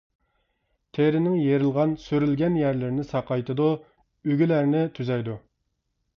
تېرىنىڭ يېرىلغان، سۈرۈلگەن يەرلىرىنى ساقايتىدۇ، ئۈگىلەرنى تۈزەيدۇ.